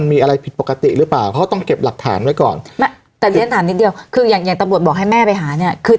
มีอะไรผิดปกติหรือเปล่าเพราะต้องเก็บหลักฐานไว้ก่อนไม่แต่เรียนถามนิดเดียวคืออย่างอย่างตำรวจบอกให้แม่ไปหาเนี่ยคือ